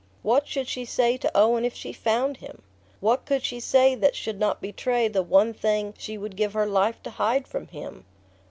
What should she say to Owen if she found him? What could she say that should not betray the one thing she would give her life to hide from him?